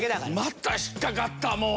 また引っかかったもう。